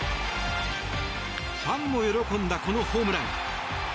ファンも喜んだこのホームラン。